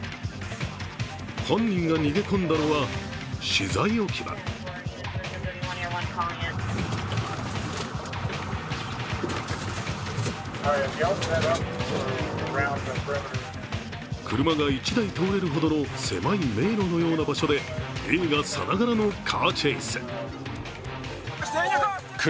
犯人が逃げ込んだのは、資材置き場車が１台通れるほどの狭い迷路のような場所で映画さながらのカーチェース。